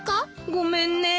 ごめんねえ。